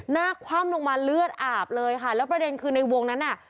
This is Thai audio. คว่ำลงมาเลือดอาบเลยค่ะแล้วประเด็นคือในวงนั้นน่ะ